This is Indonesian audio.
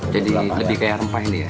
jadi lebih kayak rempah ini ya